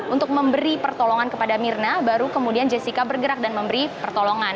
untuk memberi pertolongan kepada mirna baru kemudian jessica bergerak dan memberi pertolongan